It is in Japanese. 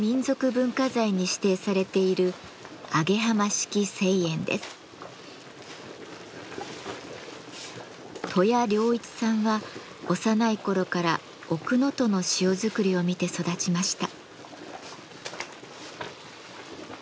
文化財に指定されている登谷良一さんは幼い頃から奥能登の塩作りを見て育ちました。